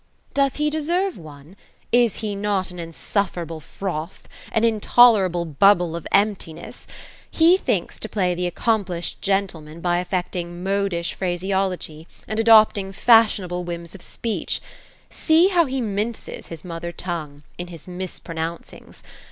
'^ Doth de deserve one ? Is he not an insufferable froth ? An in tolerable bubble of emptiness ? He thinks to play the accomplished gentleman by affecting modish phraseology, and adopting fashionable whims of speech See how he minces his mother tongue, in his niispro nouncings.